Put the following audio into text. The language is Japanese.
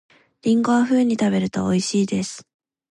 りんごは冬に食べると美味しいです